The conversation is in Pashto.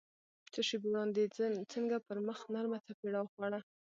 څو شېبې وړاندې يې څنګه پر مخ نرمه څپېړه وخوړه.